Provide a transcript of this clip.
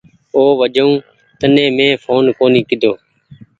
او وجون مين تني ڦون ڪونيٚ ڪيۮو۔